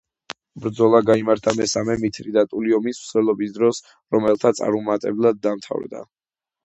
ბრძოლა გაიმართა მესამე მითრიდატული ომის მსვლელობის დროს და რომაელთა წარუმატებლად დამთავრდა.